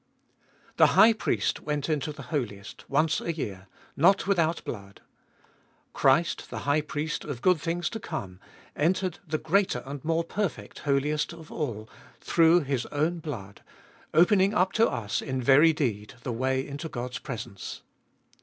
THE High Priest went into the Holiest once a year, not without blood. Christ, the High Priest of good things to come, entered the greater and more perfect Holiest of All through His own blood, opening up to us in very deed the way into God's presence.